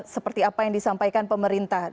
seperti apa yang disampaikan pemerintah